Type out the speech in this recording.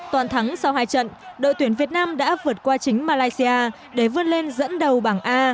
toàn thắng sau hai trận đội tuyển việt nam đã vượt qua chính malaysia để vươn lên dẫn đầu bảng a